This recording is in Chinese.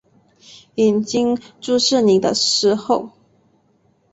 眼睛注视你的时候